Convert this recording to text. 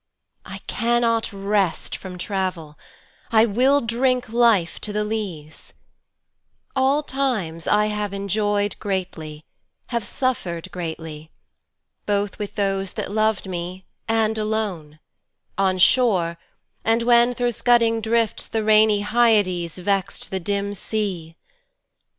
I cannot rest from travel: I will drinkLife to the lees: all times I have enjoy'dGreatly, have suffer'd greatly, both with thoseThat lov'd me, and alone; on shore, and whenThro' scudding drifts the rainy HyadesVex'd the dim sea.